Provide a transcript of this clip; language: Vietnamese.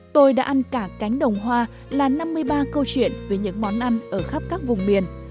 tôi đã ăn cả cánh đồng hoa là năm mươi ba câu chuyện về những món ăn ở khắp các vùng miền